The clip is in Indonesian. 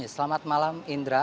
selamat malam indra